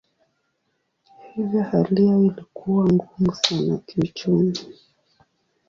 Hivyo hali yao ilikuwa ngumu sana kiuchumi.